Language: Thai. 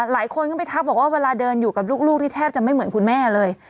หลายคนก็ไปทักบอกว่าเวลาเดินอยู่กับลูกนี่แทบจะไม่เหมือนคุณแม่เลย